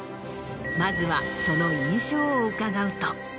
まずはその印象を伺うと。